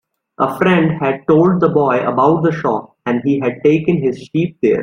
A friend had told the boy about the shop, and he had taken his sheep there.